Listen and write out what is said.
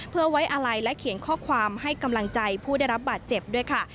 เพื่อไว้อาลัยและเขียนข้อความให้กำลังใจผู้ได้รับบาดเจ็บด้วยค่ะ